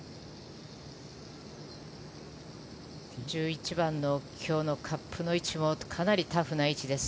１１番の今日のカップの位置もかなりタフな位置です。